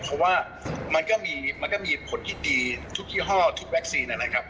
เพราะว่ามันก็มีผลที่ดีทุกยี่ห้อทุกวัคซีนนะครับ